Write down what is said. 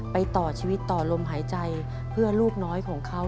ต่อชีวิตต่อลมหายใจเพื่อลูกน้อยของเขา